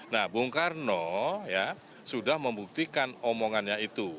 nah bung karno ya sudah membuktikan omongannya itu